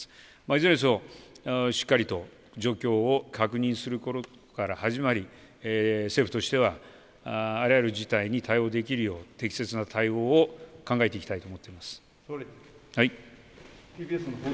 いずれにせよ、しっかり状況を確認することから始まり政府としてはあらゆる事態に対応できるよう適切な対応を考えていきたいと思っています。